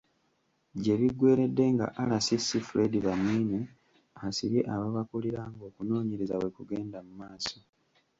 Gye biggweeredde nga RCC, Fred Bamwine asibye ababakulira ng'okunoonyereza bwe kugenda mu maaso.